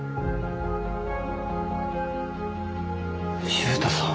秀太さん。